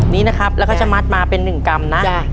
นี้นะครับแล้วก็จะมัดมาเป็น๑กรัมนะ